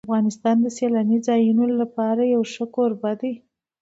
افغانستان د سیلاني ځایونو لپاره یو ښه کوربه دی.